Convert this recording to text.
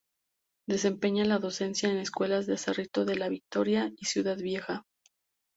Desempeña la docencia en escuelas de Cerrito de la Victoria y Ciudad Vieja.